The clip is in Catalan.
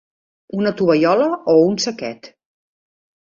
Una tovallola o un saquet.